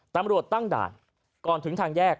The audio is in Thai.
ตำรวจตั้งด่านก่อนถึงทางแยก